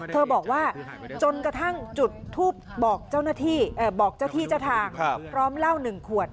เธอบอกว่าจนกระทั่งจุดทูบบอกเจ้าที่เจ้าทางพร้อมเล่าหนึ่งขวด